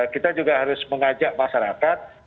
kita juga harus mengajak masyarakat